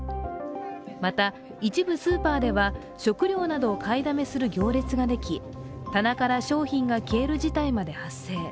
また、一部スーパーでは食料などを買いだめする行列ができ、棚から商品が消える事態まで発生。